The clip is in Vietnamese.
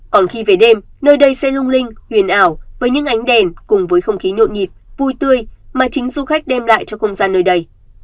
còn khi về đêm nơi đây sẽ lung linh huyền ảo với những ánh đèn cùng với không khí nhộn nhịp vui tươi mà chính du khách đem lại cho không gian nơi đây